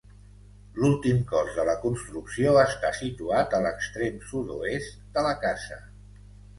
L'últim cos de la construcció està situat a l'extrem sud-oest de la casa.